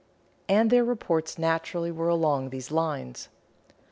And their reports naturally were along these lines.